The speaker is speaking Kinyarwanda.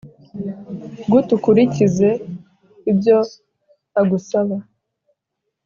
Gut ukurikize ibyo agusaba